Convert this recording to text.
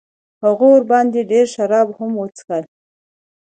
هغه ورباندې ډېر شراب هم وڅښل.